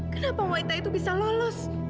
kenapa wanita itu bisa lolos